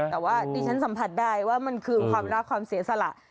แต่ว่าดิฉันสัมผัสได้ว่ามันคือความรักความเสียสละ